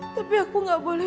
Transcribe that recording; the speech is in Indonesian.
tapi aku gak boleh